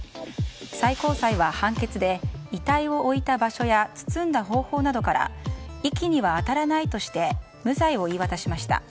最高裁は、判決で遺体を置いた場所や包んだ方法などから遺棄には当たらないとして無罪を言い渡しました。